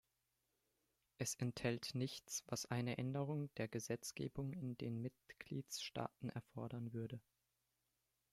Es enthält nichts, was eine Änderung der Gesetzgebung in den Mitgliedstaaten erfordern würde.